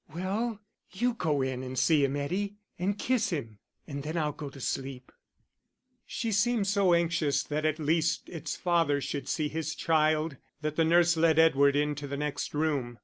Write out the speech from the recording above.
"Well, you go in and see him, Eddie, and kiss him, and then I'll go to sleep." She seemed so anxious that at least its father should see his child, that the nurse led Edward into the next room.